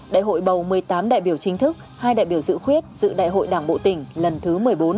đại hội bầu một mươi tám đại biểu chính thức hai đại biểu dự khuyết dự đại hội đảng bộ tỉnh lần thứ một mươi bốn